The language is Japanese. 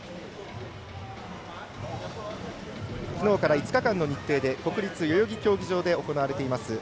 きのうから５日間の日程で国立代々木競技場で行われています